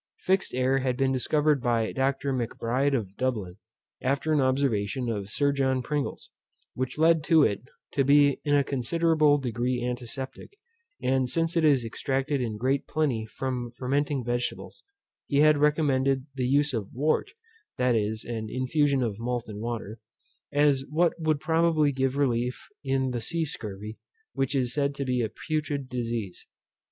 Fixed air had been discovered by Dr. Macbride of Dublin, after an observation of Sir John Pringle's, which led to it, to be in a considerable degree antiseptic; and since it is extracted in great plenty from fermenting vegetables, he had recommended the use of wort (that is an infusion of malt in water) as what would probably give relief in the sea scurvy, which is said to be a putrid disease.